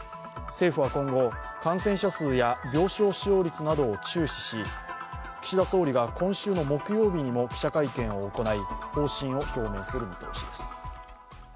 政府は今後、感染者数や病床使用率などを注視し岸田総理が今週の木曜日にも記者会見を行い、方針を表明する見通しです。